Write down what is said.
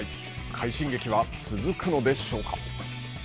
快進撃は続くのでしょうか？